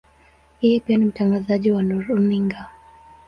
Yeye pia ni mtangazaji wa runinga.